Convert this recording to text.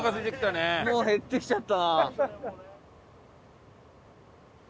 もう減ってきちゃったな。